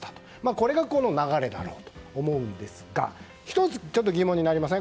これが流れだろうと思うんですが１つ疑問になりません？